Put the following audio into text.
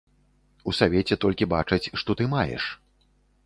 У савеце толькі бачаць, што ты маеш.